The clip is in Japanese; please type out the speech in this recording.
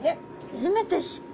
初めて知った。